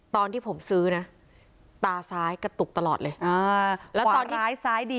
ตอนที่ผมซื้อนะตาซ้ายกระตุกตลอดเลยอ่าแล้วตอนท้ายซ้ายดี